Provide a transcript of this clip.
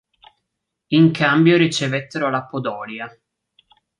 In cambio ricevettero la Podolia.